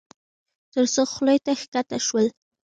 تر څو خولې ته کښته شول.